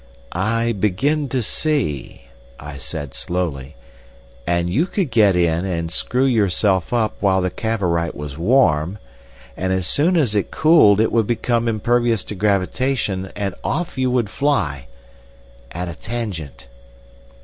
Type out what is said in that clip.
"I begin to see," I said slowly. "And you could get in and screw yourself up while the Cavorite was warm, and as soon as it cooled it would become impervious to gravitation, and off you would fly—" "At a tangent."